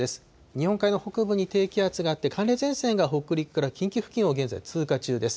日本海の北部に低気圧があって、寒冷前線が北陸から近畿付近を現在、通過中です。